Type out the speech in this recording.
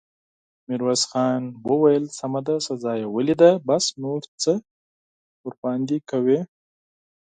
ميرويس خان وويل: سمه ده، سزا يې وليده، بس، نور څه پرې کوې!